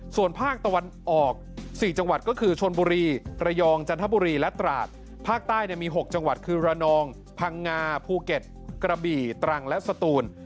ส่วนภาคตะวันออก๔จังหวัดก็คือชนบุรีระยองจันทบุรีและตราดภาคใต้มี๖จังหวัดคือระนองพังงาภูเก็ตกระบี่ตรังและสตูน